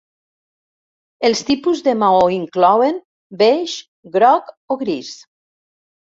Els tipus de maó inclouen: beix, groc o gris.